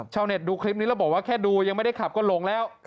ชาวเน็ตดูคลิปนี้แล้วบอกว่าแค่ดูยังไม่ได้ขับก็หลงแล้ว